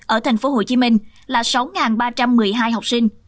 ở tp hcm là sáu ba trăm một mươi hai học sinh